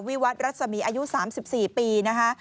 วิวัตรรัศมีอายุ๓๔ปีนะคะ